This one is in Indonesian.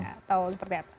atau seperti apa